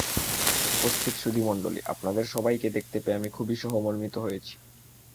উপস্থিত সুধীমন্ডলী, আপনাদের সবাই দেখতে পেয়ে আমি খুবই সহমর্মিত হয়েছি।